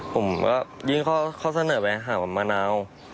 ผมก็ยิ่งขอเสนอไปหาบ้านมะนาว